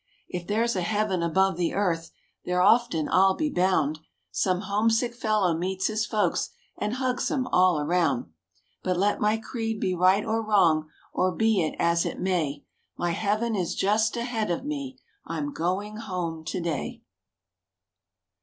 If there's a heaven above the earth, there often, I'll be bound, Some homesick fellow meets his folks, and hugs 'em all around. But let my creed be right or wrong, or be it as it may, My heaven is just ahead of me I'm going home to day.